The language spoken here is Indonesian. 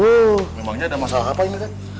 wih memangnya ada masalah apa ini kan